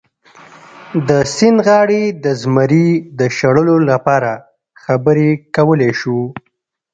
د سیند غاړې د زمري د شړلو لپاره خبرې کولی شو.